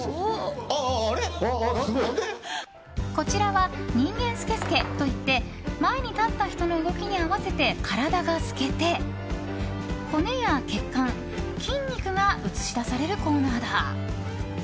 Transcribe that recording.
こちらはにんげんスケスケといって前に立った人の動きに合わせて体が透けて骨や血管筋肉が映し出されるコーナーだ。